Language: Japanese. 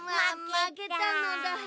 まけたのだ。